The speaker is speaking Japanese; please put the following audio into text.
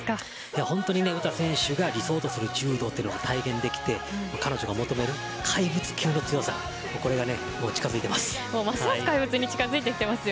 歌選手が理想とする柔道は体現できて彼女が求める怪物級の強さこれが近づいています。